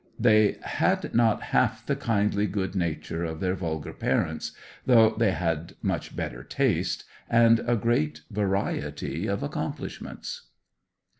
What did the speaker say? They had not half the kindly good nature of their vulgar parents, though they had much better taste, and a great variety of accomplishments.